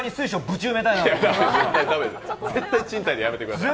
駄目です、絶対賃貸でやめてくださいね。